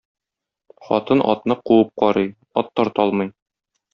Хатын атны куып карый, ат тарта алмый.